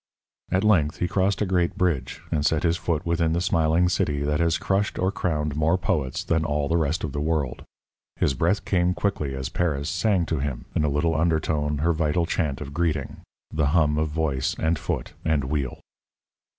At length he crossed a great bridge and set his foot within the smiling city that has crushed or crowned more poets than all the rest of the world. His breath came quickly as Paris sang to him in a little undertone her vital chant of greeting the hum of voice and foot and wheel.